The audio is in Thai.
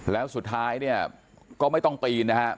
แล้วสุดท้ายเนี่ยก็ไม่ต้องปีนนะครับ